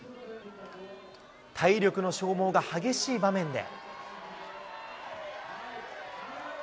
体力の消耗が激しい場面で。